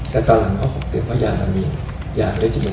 แต่ตอนหลัง๖เดือนเค้าจะมียาเวจมัน